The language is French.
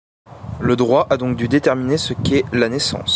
Le droit a donc dû déterminer ce qu'est la naissance.